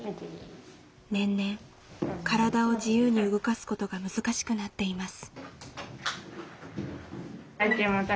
年々体を自由に動かすことが難しくなっています。